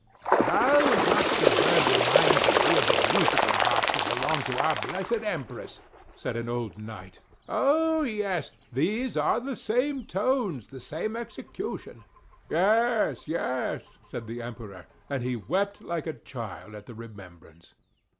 "How much the bird reminds me of the musical box that belonged to our blessed Empress," said an old knight. "Oh yes! These are the same tones, the same execution." "Yes! yes!" said the Emperor, and he wept like a child at the remembrance.